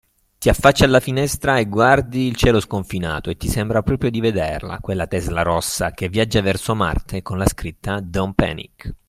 Ti affacci alla finestra, guardi il cielo sconfinato e ti sembra proprio di vederla quella Tesla rossa, che viaggia verso Marte con la scritta Don’t panic!